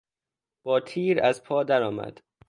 با تیر از پا در آمد.